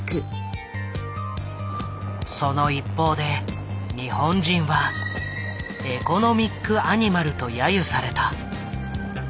その一方で日本人はエコノミック・アニマルと揶揄された。